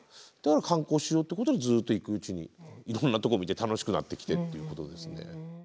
だから観光しようってことでずっと行くうちにいろんなとこ見て楽しくなってきてっていうことですね。